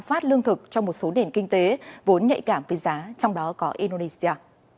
phát lương thực cho một số nền kinh tế vốn nhạy cảm với giá trong đó có indonesia